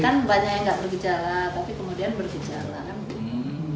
kan banyak yang nggak bergejala tapi kemudian bergejala